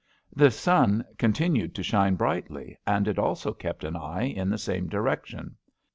The sun continued to shine brightly, and it also kept an eye in the same direction.